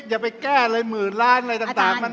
อย่าไปแก้เลยหมื่นล้านอะไรต่าง